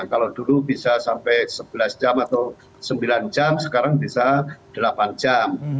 kalau dulu bisa sampai sebelas jam atau sembilan jam sekarang bisa delapan jam